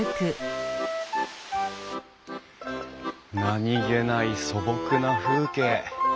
何気ない素朴な風景。